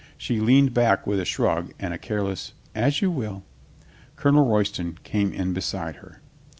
She leaned back with a shrug and a careless, "As you will." Colonel Roy ston came in beside her.